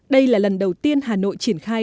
đây là lần đầu tiên hà nội triển khai